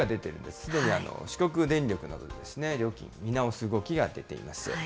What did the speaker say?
すでに四国電力など、料金を見直す動きが出ています。